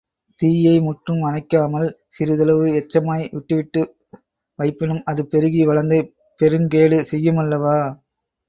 தீயை முற்றும் அணைக்காமல் சிறிதளவு எச்சமாய் விட்டு வைப்பினும், அது பெருகி வளர்ந்து பெருங்கேடு செய்யுமல்லவா?